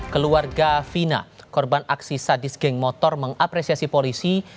keluarga fina korban aksi sadis geng motor mengapresiasi polisi